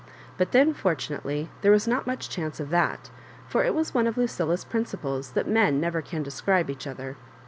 But then, for tunately, there was not much chance of that; for it was one of Lucilla's principles that men never can describe each other.